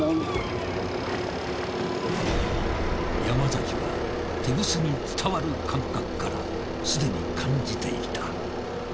山崎はテグスに伝わる感覚からすでに感じていた。